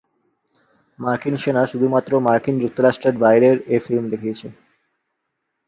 মার্কিন সেনা শুধুমাত্র মার্কিন যুক্তরাষ্ট্রের বাইরের এ ফিল্ম দেখিয়েছে।